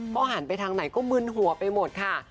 พอหันไปทางไหนก็มึนหัวไปหมดค่ะ